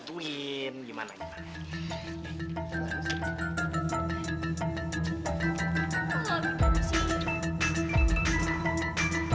loh gimana sih